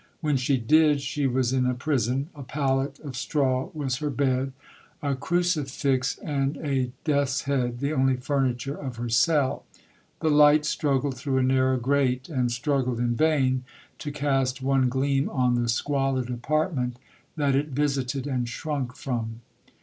When she did, she was in a prison, a pallet of straw was her bed, a crucifix and a death's head the only furniture of her cell; the light struggled through a narrow grate, and struggled in vain, to cast one gleam on the squalid apartment that it visited and shrunk from.